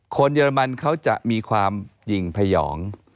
เยอรมันเขาจะมีความหญิงพยอง